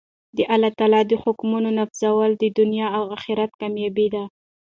د الله تعالی د حکمونو نافذول د دؤنيا او آخرت کاميابي ده.